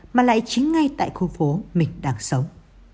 mà lại chính ngay tại khu phố mình đang sống